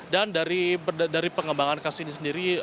dan dari pengembangan kasus ini sendiri